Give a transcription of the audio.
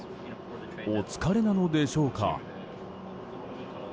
お疲れなのでしょうか。